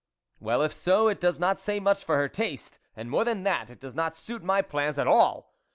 Well, if so, it does not say much for her taste, and more than that, it does not suit my plans at all.